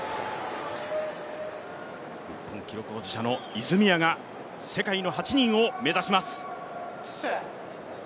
日本記録保持者の泉谷が世界の８人を目指します。